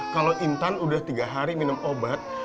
kalau intan udah tiga hari minum obat